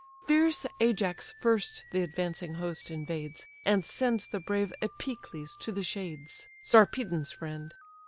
Fierce Ajax first the advancing host invades, And sends the brave Epicles to the shades, Sarpedon's friend.